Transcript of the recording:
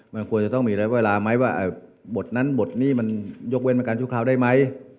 มันควรจะต้องมีระยะเวลาไหมว่าบทนั้นบทนี้มันยกเว้นประการชั่วคราวได้ไหม